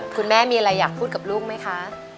คุณแม่มีอะไรอยากพูดกับลูกไหมคะ